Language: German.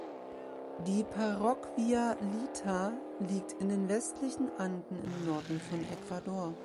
Die Parroquia Lita liegt in den westlichen Anden im Norden von Ecuador.